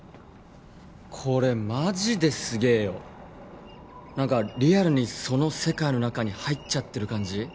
これマジですげえよ何かリアルにその世界の中に入っちゃってる感じ？